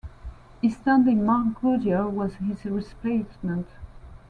His stand-in Mark Goodier was his replacement.